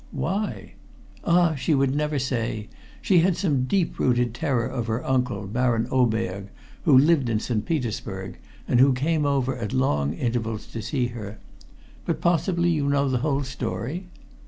"Why?" "Ah! she would never say. She had some deep rooted terror of her uncle, Baron Oberg, who lived in St. Petersburg, and who came over at long intervals to see her. But possibly you know the whole story?"